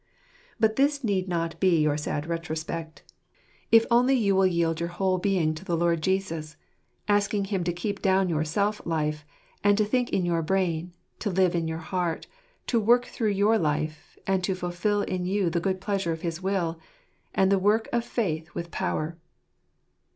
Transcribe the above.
But this need not be your sad retrospect, if only you 136 foxtpY* Jatlrcr* will yield your whole being to the Lord Jesus, asking Him to keep down your self life, and to think in your brain, to live in your heart, to work through your life, and to fulfil in you the good pleasure of his will, "and the work of faith with power."